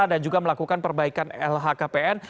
dan juga melakukan perbaikan lhkpn